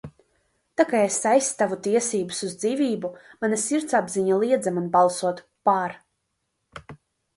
"Tā kā es aizstāvu tiesības uz dzīvību, mana sirdsapziņa liedza man balsot "par"."